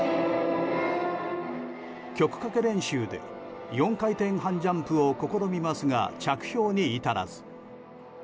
曲かけ練習で４回転半ジャンプを試みますが着氷に至らず。